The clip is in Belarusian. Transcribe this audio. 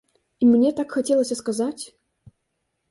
І мне так хацелася сказаць.